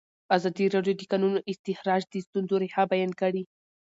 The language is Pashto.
ازادي راډیو د د کانونو استخراج د ستونزو رېښه بیان کړې.